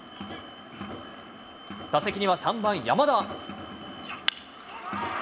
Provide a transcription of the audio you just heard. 打席には３番山田。